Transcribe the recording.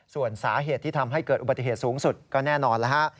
ส่วนสาเหตุที่ทำให้เกิดอุบัติเหตุสูงสุดก็แน่นอนแล้วฮะ